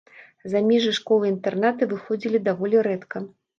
За межы школы-інтэрната выходзілі даволі рэдка.